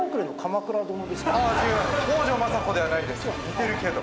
もう」似てるけど。